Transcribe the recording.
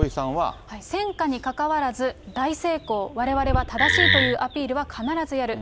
戦果にかかわらず、大成功、われわれは正しいというアピールは必ずやる。